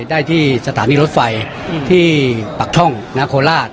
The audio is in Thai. ได้ที่สถานีรถไฟที่ปักช่องโคราช